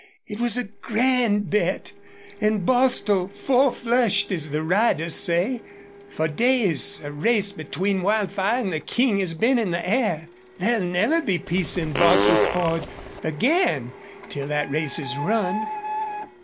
it was a grand bet! And Bostil four flushed, as the riders say. For days a race between Wildfire and the King had been in the air. There'll never be peace in Bostil's Ford again till that race is run."